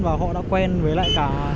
và họ đã quen với lại cả